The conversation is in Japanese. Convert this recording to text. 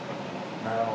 なるほど。